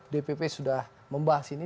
dpp sudah membahas ini